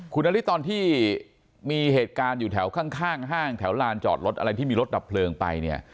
คุณนฤทธิตอนที่มีเหตุการณ์อยู่แถวข้างห้างแถวลานจอดรถอะไรที่มีรถดับเพลิงไปเนี่ย